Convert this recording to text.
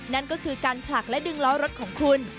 นั่นก็คือการผลักและดึงล้อรถของคุณ